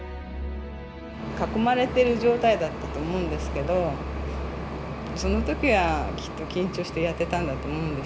囲まれてる状態だったと思うんですけどその時はきっと緊張してやってたんだと思うんです。